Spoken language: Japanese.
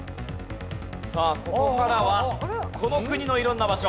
さあここからはこの国の色んな場所。